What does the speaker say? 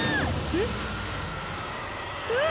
えっ？